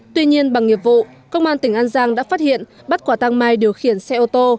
tuy nhiên bằng nghiệp vụ công an tỉnh an giang đã phát hiện bắt quả tăng mai điều khiển xe ô tô